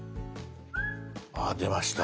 あ出ました。